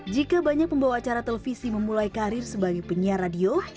jika banyak pembawa acara televisi memulai karir sebagai penyiar radio